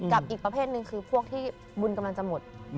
อีกประเภทหนึ่งคือพวกที่บุญกำลังจะหมด